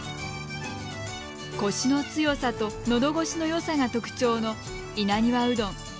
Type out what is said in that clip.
コシの強さとのどごしのよさが特徴の稲庭うどん。